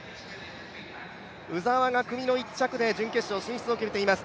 鵜澤が組の１着で準決勝進出を決めています。